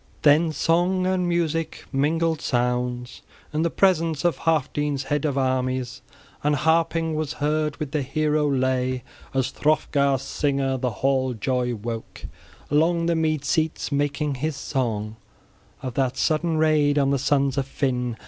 Then song and music mingled sounds in the presence of Healfdene's head of armies {16c} and harping was heard with the hero lay as Hrothgar's singer the hall joy woke along the mead seats, making his song of that sudden raid on the sons of Finn.